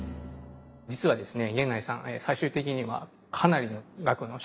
実はですね